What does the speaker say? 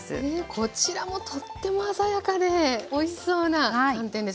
こちらもとっても鮮やかでおいしそうな寒天ですね。